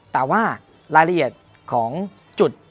แต่ว่ารายละเอียดของจุด